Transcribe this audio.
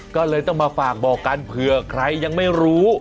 ก็เลยต้องมาฝากบอกกันเผื่อใครยังไม่รู้